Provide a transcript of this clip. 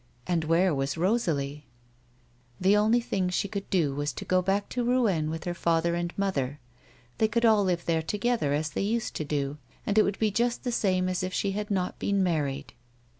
And where was Rosalie 1 The only thing she could do was to go back to Rouen with her father and mother ; they could all live tliere together as they used to do, and it would be just the same as if she had not been married.